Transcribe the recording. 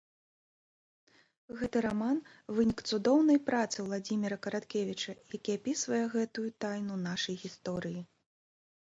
Гэты раман - вынік цудоўнай працы Уладзіміра Караткевіча, які апісвае гэтую тайну нашай гісторыі.